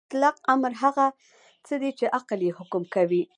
مطلق امر هغه څه دی چې عقل یې حکم کوي.